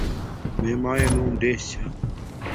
مݺ مݳئݺ نݸم ـــــ چھݳ.